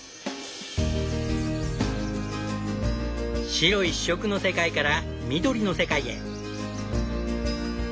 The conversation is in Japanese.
白一色の世界から緑の世界へ。